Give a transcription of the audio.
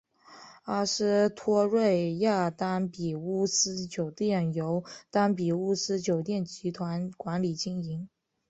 阿斯托瑞亚丹比乌斯酒店由丹比乌斯酒店集团管理经营。